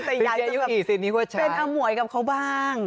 แต่ยังจะเป็นอมวยกับเขาบ้าง